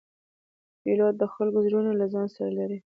پیلوټ د خلکو زړونه له ځان سره لري.